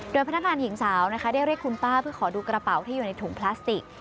โดยพนักงานหญิงสาวนะคะได้เรียกคุณป้าเพื่อขอดูกระเป๋าที่อยู่ในถุงพลาสติก